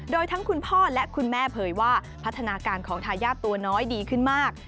โดยทั้งคุณพ่อและคุณแม่เผยว่าพัฒนาการของทายาทตัวน้อยดีขึ้นมาก